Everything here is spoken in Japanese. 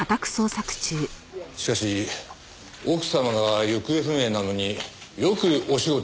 しかし奥様が行方不明なのによくお仕事できますね。